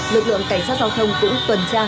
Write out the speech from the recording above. lực lượng cảnh sát giao thông cũng tuần tra